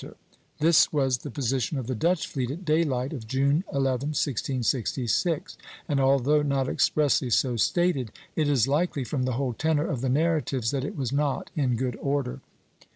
This was the position of the Dutch fleet at daylight of June 11, 1666; and although not expressly so stated, it is likely, from the whole tenor of the narratives, that it was not in good order.